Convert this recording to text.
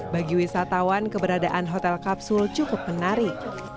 bagi wisatawan keberadaan hotel kapsul cukup menarik